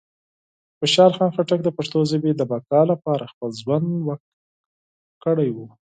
خوشحال خان خټک د پښتو ژبې د بقا لپاره خپل ژوند وقف کړی و.